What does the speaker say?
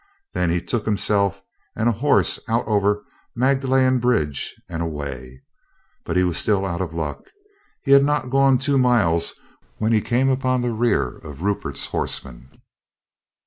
Then he took himself and a horse out over Magdalen bridge and away. But he was still out of luck. He had not gone two miles when he came upon the rear of Rupert's horsemen.